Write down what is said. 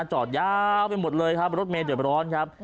จอดยาวไปหมดเลยรถเมศเดี่ยวไปร้อนครับ